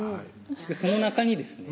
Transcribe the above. その中にですね